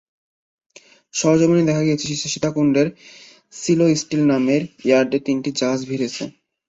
সরেজমিনে দেখা গেছে, সীতাকুণ্ডের সিকো স্টিল নামের ইয়ার্ডে তিনটি জাহাজ ভিড়েছে।